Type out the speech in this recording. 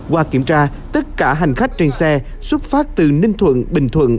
qua kiểm tra tất cả hành khách trên xe xuất phát từ ninh thuận bình thuận